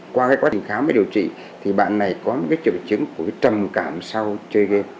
qua quá trình khám và điều trị thì bạn này có một trực chứng trầm cảm sau chơi game